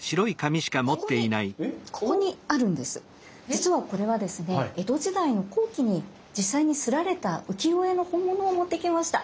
実はこれはですね江戸時代の後期に実際に摺られた浮世絵の本物を持ってきました。